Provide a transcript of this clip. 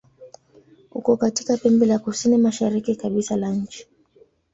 Uko katika pembe la kusini-mashariki kabisa la nchi.